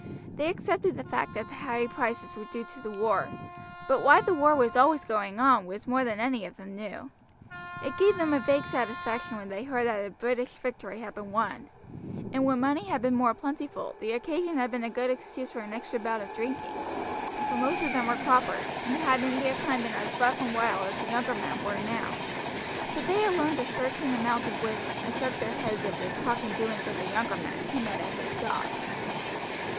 They accepted the fact that the high prices were due to the war, but why the war was always going on was more than any of them knew. It gave them a vague satisfaction when they heard that a British victory had been won; and when money had been more plentiful, the occasion had been a good excuse for an extra bout of drinking, for most of them were croppers, and had in their time been as rough and as wild as the younger men were now; but they had learned a certain amount of wisdom, and shook their heads over the talk and doings of the younger men who met at the "Dog."